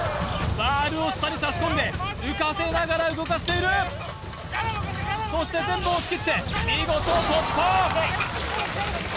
バールを下に差し込んで浮かせながら動かしているそして全部押し切って見事突破！